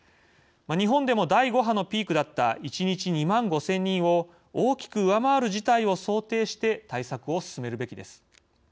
日本でも第５波のピークだった１日２万５０００人を大きく上回る事態を想定して対策を進めるべきです。